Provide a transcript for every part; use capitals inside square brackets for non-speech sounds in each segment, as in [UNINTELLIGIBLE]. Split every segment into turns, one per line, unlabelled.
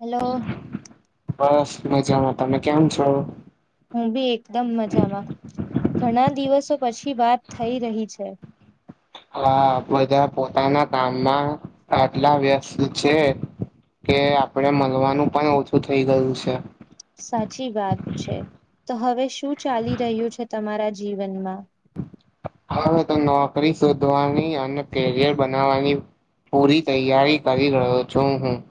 Hello.
બસ મજામાં. તમે કેમ છો?
હું બી એકદમ મજામાં. ઘણા દિવસો પછી વાત થઈ રહી છે.
હા બધા પોતાના કામમાં આટલા વ્યસ્ત છે. કે આપણેે મળવાનું પણ ઓછું થઇ ગયું છે.
સાચી વાત છે. તો હવે શું ચાલી રહ્યું છે તમારા જીવનમાં?
હવે તો નોકરી શોધવાની અને કેરિયર બનાવાની પૂરી તૈયારી કરી રહ્યો છું હું.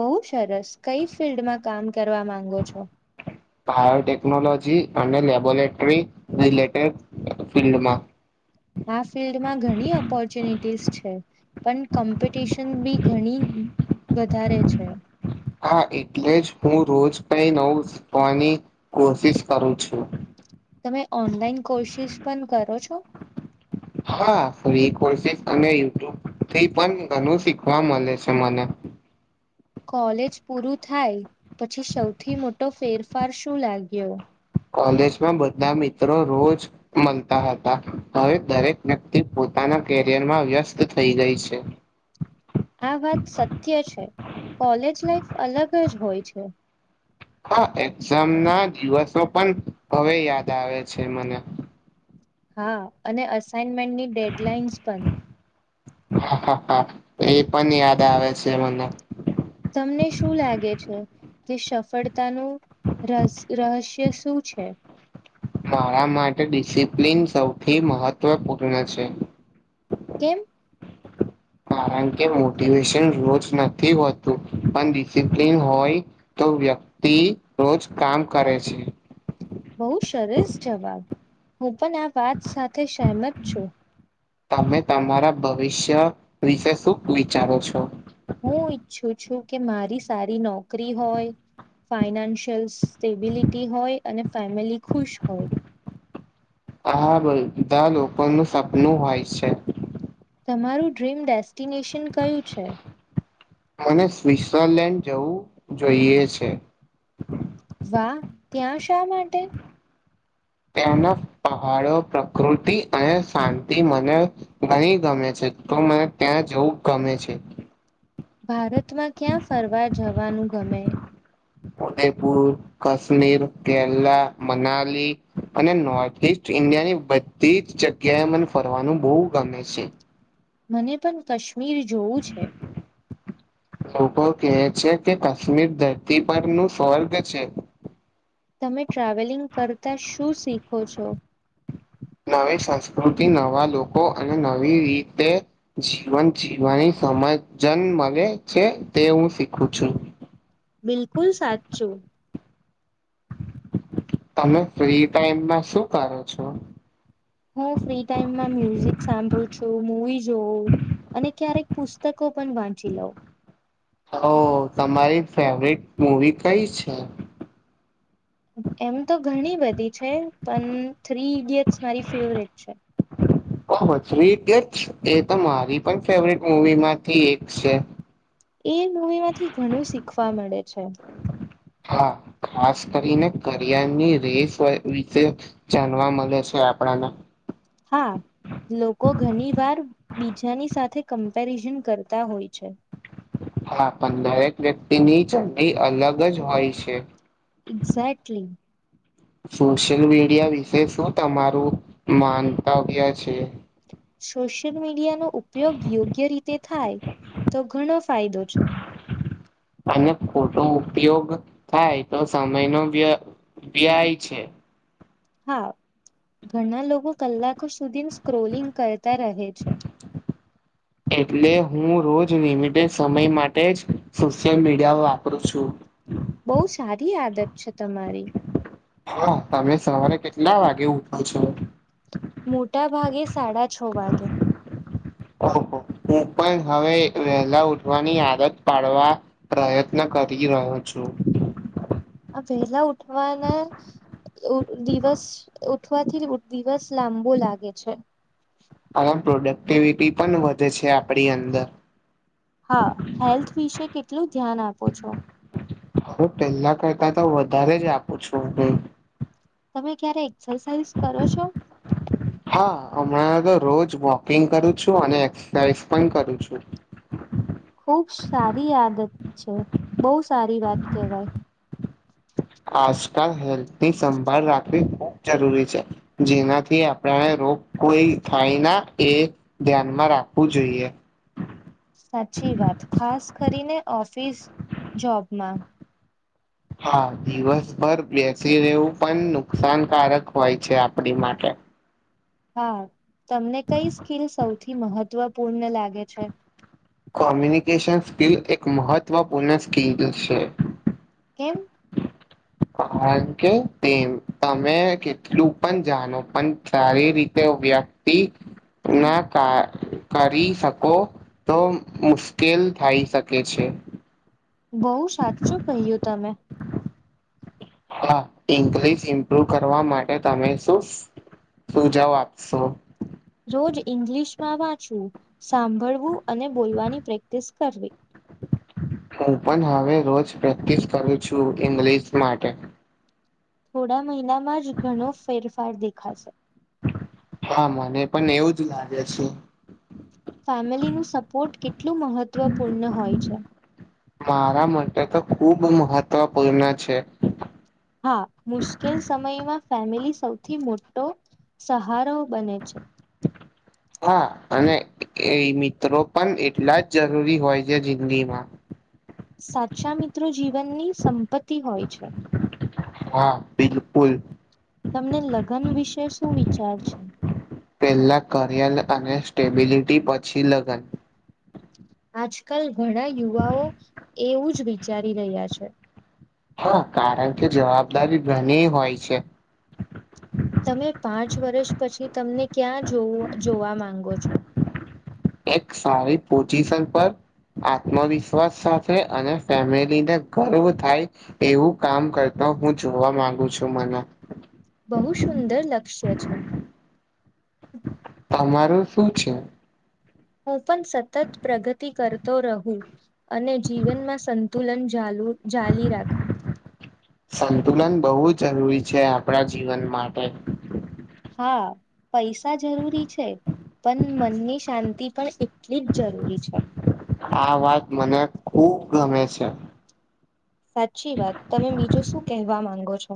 બહુ સરસ કઈ ફિલ્ડમાં કામ કરવા માંગો છો
બાયોટેકનોલોજી અને લેબોરેટરી રિલેટેડ ફિલ્ડમાં.
આ ફિલ્ડમાં ઘણી ઓપોર્ચ્યુનિટીસ છે પણ કોમ્પિટિશન બી ઘણી વધારે છે.
હા એટલે જ હું રોજ કઈ નવું શીખવાની કોશિશ કરું છું.
તમે ઓનલાઈન કોશિશ પણ કરો છો
હા ફ્રી [UNINTELLIGIBLE] અને યુટ્યુબથી પણ ઘણું શીખવા મળે છે મને. [INAUDIBLE]
કોલેજ પૂરું થાય પછી સૌથી મોટો ફેરફાર શું લાગ્યો
કોલેજમાં બધા મિત્રો રોજ મળતા હતા હવે દરેક વ્યક્તિ પો પોતાના કેરિયર માં વ્યસ્ત થઈ ગઈ છે.
આ વાત સત્ય છે. કોલેજ લાઈફ અલગ [INAUDIBLE]
હા એક્ઝામ ના દિવસો પણ હવે યાદ આવે છે મને.
હા અને અસાાઈનમેન્ટની ડેડલાઇન્સ પણ.
હ હા એ પણ યાદ આવે છે મને.
તમને શું લાગે છે કે સફળતાનું રહ રહસ્ય શું છે?
મારા માટે ડિસિપ્લિન સૌથી મહત્વપૂર્ણ છે.
કેમ?
કારણ કે મોટિવેશન રોજ નથી હોતું પણ ડિસિપ્લન હોય તો તો પછી વ્યક્તિ રોજ કામ કરે છે.
બહુ સરસ જવાબ હું પણ આ વાત સાથે સહેમત છું.
તમે તમારા ભવિષ્ય વિશે શું વિચારો છો?
હું ઈચ્છું છું કે મારી સારી નોકરી હોય ફાઈનાન્શિયલ સ્ટેબિલિટી હોય અને ફેમિલી ખુશ હોય.
હા બધા લોકોનું સપનું હોય છે.
તમારું ડ્રીમ ડેસ્ક
મને સ્વઝરલેન્ડ જવું જોઈએ છે.
વાહ ત્યાં શા માટે?
ત્યાંના પહાડો પ્રકૃતિ અને શાંતિ મને ઘણી ગમે છે. તો મને ત્યાં જવું ગમે છે.
ભારતમાં ક્યાં ફરવા જવાનું ગમે?
ઉદયપુર કાશ્મીર કેરલા મનાલી અને નોર્થ ઈસ્ટ ઇન્ડિયાની બધી જ જગ્યાએ મને ફરવાનું બહુ ગમે છે.
મને પણ કાશ્મીર જોવું છે?
લોકો કહે છે કે કાશ્મીર ધરતી પરનું સ્વર્ગ છે.
તમે ટ્રાવેલિંગ કરતાં શું શીખો છો?
નવી સંસ્કૃતિ નવા લોકો અને નવી રીતે જીવન જીવવાની સમજન મળે છે તે હું શીખું છું.
બિલકુલ સાચું.
તમે ફ્રી ટાઈમમાં શું કરો છો?
હું ફ્રી ટાઈમમાં મ્યુઝિક સાંભળું છું મવી જો અને ક્યારેક પુસ્તક પણ વાંચી લવ.
ઓ તમારી ફેવરિટ મૂવી કઈ છે?
એમ તો ઘણી બધી છે પણ થ્રી ઈડિયટ્સ મારી ફેવરેટ છે.
ઓ એરી પણ ફેવરેટ મુવી માંથી એક છે.
એ મૂવી માંથી ઘણું શીખવા મળે છે.
હા. ખાસ કરીને કરયરની રેસ વિશે જાણવા મળે છે આપણના
હા. લોકો ઘણી વાર બીજાની સાથે કમ્પેરિઝન કરતા હોય છે.
હા પણ દરેક વ્યક્તિની ચંડી અલગ જ હોય છે.
એક્ઝેક્ટલી
સોશિયલ મીડિયા વિશે શું તમારું મંતવ્ય છે?
સોશિયલ મીડિયા નો ઉપયોગ યોગ્ય રીતે થાય તો ઘણો ફાયદો છે.
અને ખોટો ઉપયોગ થાય તો સમય નો વ્ય વ્યાય છે.
હા. ઘણા લોકો કલાકો સુધી સ્ક્રોલિંગ કરતા રહે છે
એટલે હું રોજ લિમિટેડ સમય માટે જ સોશિયલ મીડિયા વાપરું છું
બહુ સારી આદત છે તમારી
હા તમે સવારે કેટલા વાગે ઉઠો છો
મોટા ભાગે સાડા છ વાગે
ઓહ હું પણ હવે વહેલા ઉઠવાની આદત પાડવા પ્રયત્ન કરી રહ્યો છું છુ
પેલા ઉઠવા ના એવુ દિવસ ઉઠવાથી દિવસ લાંબો લાગે છે
ટીવીપી પણ વધે છે આપણી અંદર
હા હેલ્થ વિશે કેટલું ધ્યાન આપો છો
હ પેલા કરતા તો વધારે જ આપું છું હુ
તમે ક્યારે એક્સરસાઇઝ કરો છો
હા હમણાં તો રોજ વોકિંગ કરું છું અને એક્સરસાઇઝ પણ કરું છું
બહબ સારી આદત છે બહુ સારી વાત કેહેવાય
આજકાલ હેલ્થની સંભાળ રાખવી જરૂરી છે જેનાથી આપને રોગ કોઈ થાય ના એ ધ્યાનમાં રાખ આપવું જોઈએ
સાચી વાત ખાસ કરીને ઓફિસ જોબમાં
હા દિવસભર બેસી રહેવું પણ નુકસાનકારક હોય છે આપડી માટે
[INAUDIBLE] હા તમને કઈ સ્કીલ સૌથી મહત્વપૂર્ણ લાગે છે
કોમ્યુનિકેશન સ્કિલ એક મહત્વપૂર્ણ સ્કિલ છે
[INAUDIBLE]
કારણ કે તે તમે કેટલું પણ જાણો પણ સારી રીતે વ્યક્તિ ના કા કરી શકો તો મુશ્કેલ થઈ શકે છે
બહુ સાચું કહ્યું તમે
હા ઇન્ક્રીઝ ઇમ્પ્રુવ કરવા માટે તમે શું તું જઓ આપશો
રોજ ઈંગ્લિશમાં વાંચવું સાંભળવું અને બોલવાની પ્રેક્ટિસ કરવી
હું પણ હવે રોજ પ્રેક્ટિસ કરું છું ઇંગ્લિશ માટે
થોડા મહિનામાં જ ઘણો ફેરફાર દેખાશે
હા મને પણ એવું જ લાગે છે
ફેમિલીનું સપોર્ટ કેટલું મહત્વપૂર્ણ હોય છે
મારા માટે તો ખુબ મહત્વપૂર્ણ છે
હા મુશ્કેલ સમયમાં ફેમિલી સૌથી મોટી મોટો સહારો બને છે
હા અને એ મિત્રો પણ એટલા જ જરૂરી હોય છે જિંદગીમાં
સાચા મિત્રો જીવનની સંપત્તિ હોય છે
હા બિલકુલ
તમને લગ્ન વિશે શું વિચાર છે
પેલા કરિયર અને સ્ટેબિલિટી પછી લગન
આજકાલ ઘણા યુવાઓ એવું જ વિચારી રહ્યા છે
હા કારણ કે જવાબદારી ઘણી હોય છે
તમે પાંચ વર્ષ પછી તમને ક્યાં જોવા માંગો છો
એક સારી પોચીસન પર આત્મવિશ્વાસ સાથે અને ફેમિલીને ગર્વ થાય એવું કામ કર નો હું જોવા માંગુ છું મને
બહુ સુંદર લક્ષ્ય છે.
તમારું શું છે?
હું પણ સતત પ્રગતિ કરતો રહું અને જીવનમાં સંતુલન જાલવું
સંતુલન બહુ જ જરૂરી છે આપણા જીવન માટે.
હા પૈસા જરૂરી છે. પણ મનની શાંતિ પણ એટલી જ જરૂરી છે.
આ વાત મને ખુબ ગમે છે.
સાચી વાત તમે બીજું શું કહેવા માંગો છો.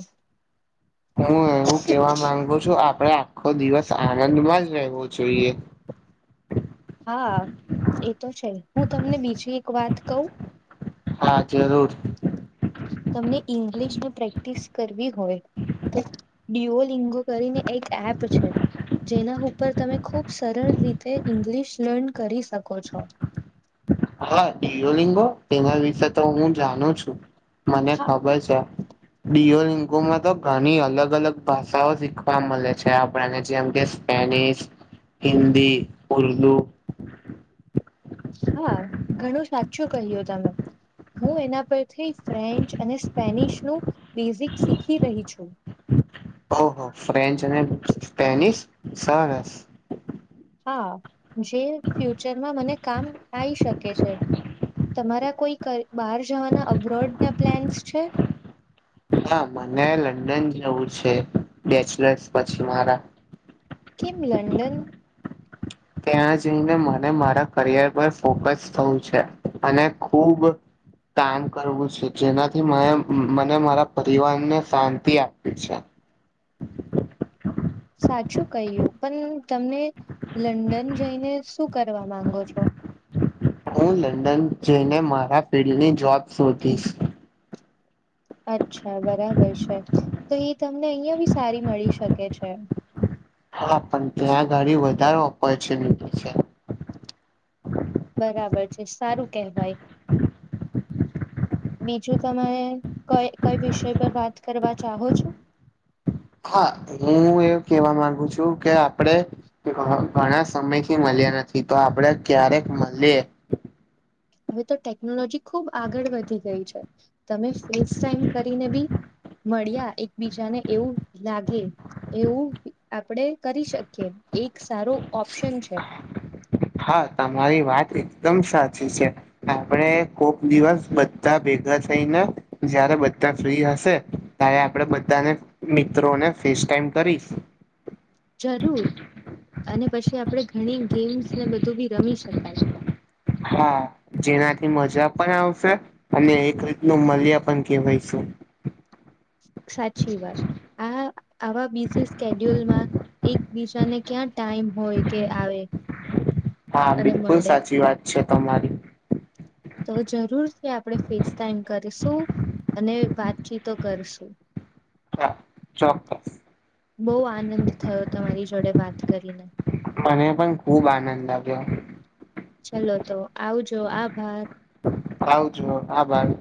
હું એવું કેવા માંગુ છું આપડે આખો દિવસ આનંદમાં જ રહેવું જોઈએ.
હા એ તો છે હું તમને બીજી એક વાત કવ.
હા જરૂર.
તમને ઇંગ્લિશની પ્રેક્ટિસ કરવી હોય તો ડીઓલ લીંગો કરીને એક એપ છે જેના ઉપર તમે ખુબ સરળ રીતે ઇંગલશ પણ કરી શકો છો.
હા ડિયો લિંગો તેના વિશે તો હું જાણું છું. મને
હા
ખબર છે. ડિયોલિંગોમાં તો ઘણી અલગ-અલગ ભાષાઓ શીખવા મળે છે આપણને જેમ કે સ્પેનિશ, હિન્દી, ઉર્દુ
હા ઘણું સાચું કહ્યું તમે. હું એના પરથી ફ્રેન્ચ અને સ્પેનિશનું બેઝિક શીખી રહી છું. [INAUDIBLE]
ઓહ ફ્રેન્ચ અને સ્પેનિશ સરસ.
હા જે ફ્યુચરમાં મને કામ આઈ શકે છે. તમારા કોઈ કર બહાર જવાના અબ્રોડના પ્લેન્સ છે.
હા મને લંડન જવું છે બેચલર્સ પછી મારા
કેમ લંડન?
ત્યાં જઈને મને મારા કરિયર પર ફોકસ થવું છે અને ખુબ કામ કરવું છે જેનાથી મને મને મારા પરિવારને શાંતિ આપીવી છે.
[INAUDIBLE] સાચ શું કહ્યું પણ તમને લંડન જઈને શું કરવા માંગો છો?
હું લંડન જઈને મારા ફિલ્ડની જોબ શોધીશ.
અચ્છા બરાબર છે. તો એ તમને અહિયાં બી સારી મળી શકે છે.
હા પણ ત્યાં અગાડી વધારે ઓપોર્ચુનિટી છે.
બરાબર છે સારું કેહેવાય. [INAUDIBLE] બીજું તમે કઈ કઈ વિષય પર વાત કરવા ચાહો છો.
હા હું એવું કેવા માંગુ છું કે આપડે ઘ ઘણા સમયથી મળ મળ્યા નથી તો આપડે ક્યારેક મલીએ.
[INAUDIBLE] હવે તો ટેકનોલોજી ખુબ આગળ વધી ગઈ છે તમે ફેસ ટાઈમ કરીને બી મળ્યા એકબીજા ને એવું લાગે. એવું આપડે કરી શકીએ એક એક સારું ઓપ્શન છે.
હા તમારી વાત એકદમ સાચી છે આપડે કોક દિવસ બધા ભેગા થઈને જયારે બધા ફ્રી હશે ત્યારે આપડે બધાને મિત્રોને ફેસ ટાઈમ કરી. [INAUDIBLE]
જરૂર. અને પછી આપણે ઘણી ગેમ્સ ને બધું બી રમી શકાય.
હા જેનાથી મજા પણ આવશે અને એક રીતનું મલ્ય પણ કહેવાયશું
સાચી વાત આ આવા બીજી સ્ડ્યુલમાં એકબીજાને ક્યાં ટાઈમ હોય કે આવે
હા
અને
બિલકુલ
મળે
સાચી વાત છે તમારી
તો જરૂર છે આપણે ફેસ ટાઈમ કરીશું અને વાતચીતો કરશું
હા ચોક્કસ
બહુ આનંદ થયો તમારી જોડે વાત કરીને
મને પણ ખુબ આનંદ આવ્યો
ચલો તો આવજો આભાર
આવજો આભાર [INAUDIBLE]